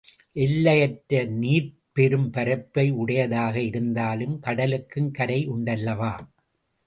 எல்லையற்ற நீர்ப்பெரும் பரப்பை உடையதாக இருந்தாலும் கடலுக்கும் கரை உண்டல்லவா?